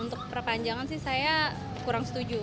untuk perpanjangan sih saya kurang setuju